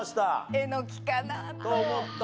えのきかなと。と思った。